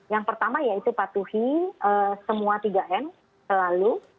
yang pertama yaitu patuhi semua tiga m selalu